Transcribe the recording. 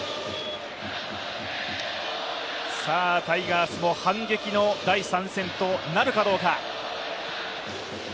タイガースも反撃の第３戦となるかどうか。